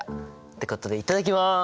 ってことでいただきます！